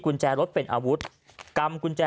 กุญแจรถเป็นอาวุธกำกุญแจ